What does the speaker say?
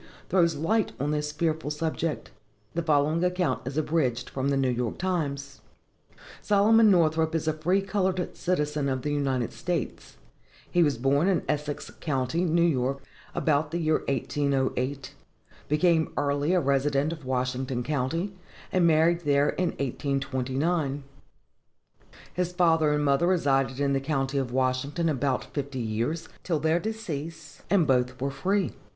throws light on this fearful subject. The following account is abridged from the New York Times: Solomon Northrop is a free colored citizen of the United States; he was born in Essex county, New York, about the year 1808; became early a resident of Washington county, and married there in 1829. His father and mother resided in the county of Washington about fifty years, till their decease, and were both free.